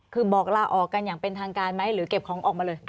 คือบอกลาออกกันอย่างเป็นทางการไหมหรือเก็บของออกมาเลย